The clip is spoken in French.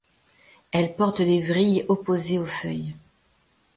Elle porte des vrilles opposées aux feuilles.